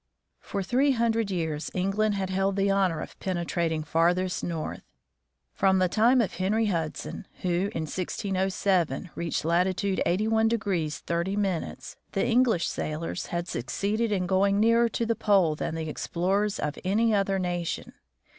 For three hundred years England had held the honor of penetrating farthest north. From the time of Henry Hudson, who, in 1607, reached latitude 8i° 30', the Eng lish sailors had succeeded in going nearer to the pole than the explorers of any other nation.